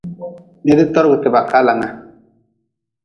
Nidtorgtiba kalanga.